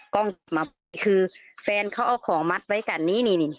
กล้องมาปิดคือแฟนเขาเอาของมัดไว้กันนี้นี่